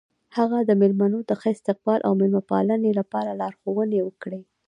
هغه د میلمنو د ښه استقبال او میلمه پالنې لپاره لارښوونې وکړې.